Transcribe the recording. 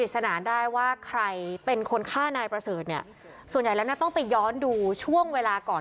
ส่วนใหญ่ละต้องไปย้อนดูช่วงเวลาก่อน